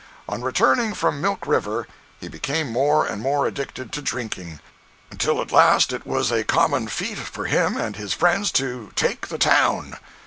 On returning from Milk River he became more and more addicted to drinking, until at last it was a common feat for him and his friends to "take the town."